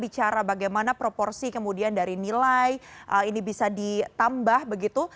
bicara bagaimana proporsi kemudian dari nilai ini bisa ditambah begitu